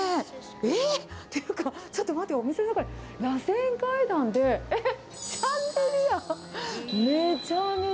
えー、っていうか、ちょっと待って、お店の中にらせん階段で、えっ？